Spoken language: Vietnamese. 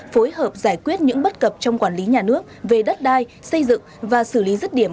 phối hợp giải quyết những bất cập trong quản lý nhà nước về đất đai xây dựng và xử lý rứt điểm